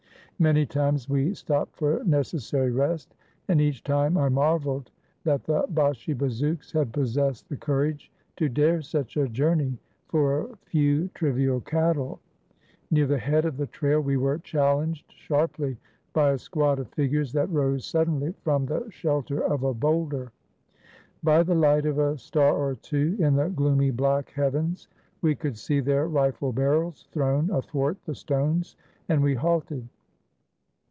Many times we stopped for necessary rest, and each time I marveled that the Bashi bazouks had possessed the courage to dare such a journey for a few trivial cattle. Near the head of the trail, we were challenged sharply by a squad of figures that rose suddenly from the shelter of a boulder. By the light of a star or two in the gloomy black heavens, we could see their rifle barrels thrown athwart the stones, and we halted.